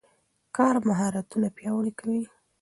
کار مهارتونه پیاوړي کوي.